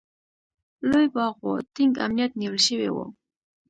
لوی باغ و، ټینګ امنیت نیول شوی و.